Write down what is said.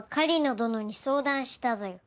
どのに相談したぞよ。